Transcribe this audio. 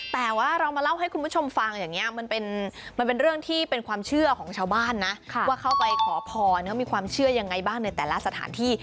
แต่ว่าเรามาเล่าให้คุณผู้ชมฟังอย่างนี้มันเป็นเรื่องที่เป็นความเชื่อของชาวบ้านนะว่าเข้าไปขอพรเขามีความเชื่อยังไงบ้างในแต่ละสถานที่